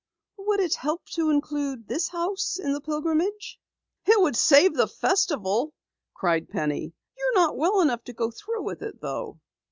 "Would it help to include this house in the Pilgrimage?" "It would save the Festival!" cried Penny. "You're not well enough to go through with it, though!"